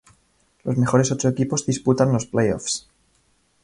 Los mejores ocho equipos disputan los play-offs.